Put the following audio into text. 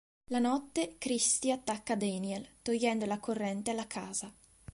La notte, Kristi attacca Daniel, togliendo la corrente alla casa.